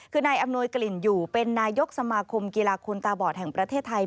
คือนายอำนวยกลิ่นอยู่เป็นนายกสมาคมกีฬาคนตาบอดแห่งประเทศไทย